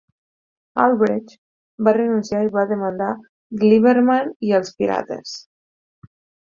Albrecht va renunciar i va demandar Glieberman i els Pirates.